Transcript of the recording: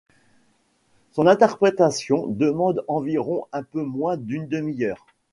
Son interprétation demande environ un peu moins d'une demi-heure.